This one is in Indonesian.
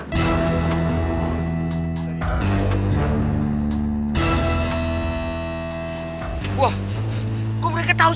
kenapa ini kan kinerja tauran